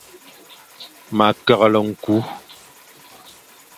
Ma keghle nku.